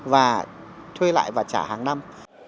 và thuê lại và trả hàng năm